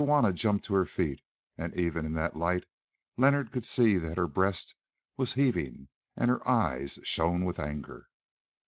Here Juanna jumped to her feet, and even in that light Leonard could see that her breast was heaving and her eyes shone with anger.